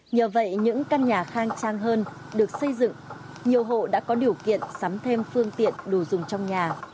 nhờ vậy những căn nhà khang trang hơn được xây dựng nhiều hộ đã có điều kiện sắm thêm phương tiện đồ dùng trong nhà